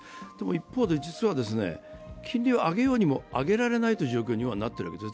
一方で、実は金利を上げようにも上げられない状況になっているわけです。